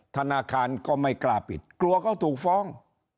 ธนาคารก็ไม่กล้าปิดกลัวเขาถูกฟ้อง